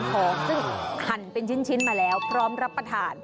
ของซึ่งหั่นเป็นชิ้นมาแล้วพร้อมรับประทาน